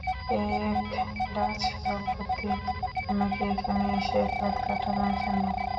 এক ডাচ দম্পতি আমাকে এখানে এসে একরাত কাটানোর জন্য।